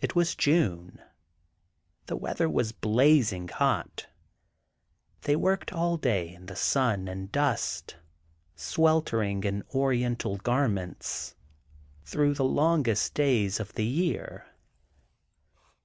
It was June—the weather was blazing hot. They worked all day in the sun and dust, sweltering in Oriental garments, through the longest days of the year.